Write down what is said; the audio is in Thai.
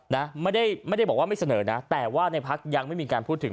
นะไม่ได้ไม่ได้บอกว่าไม่เสนอนะแต่ว่าในพักยังไม่มีการพูดถึง